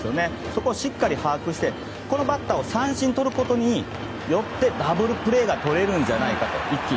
そこをしっかり把握してこのバッターを三振にとることによって一気にダブルプレーがとれるんじゃないかと。